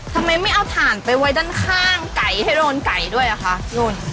ทำไมไม่เอาถ่านไปไว้ด้านข้างไก่ให้โดนไก่ด้วยอ่ะคะนู่น